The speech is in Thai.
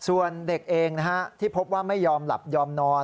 ส่วนเด็กเองที่พบว่าไม่ยอมหลับยอมนอน